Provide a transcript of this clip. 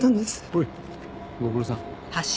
ほいご苦労さん。